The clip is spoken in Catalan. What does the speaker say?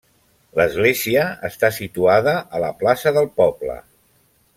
L'església està situada a la plaça del poble.